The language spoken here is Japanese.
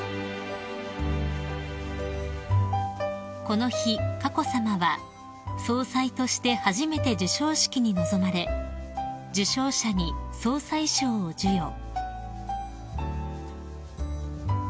［この日佳子さまは総裁として初めて授賞式に臨まれ受賞者に総裁賞を授与］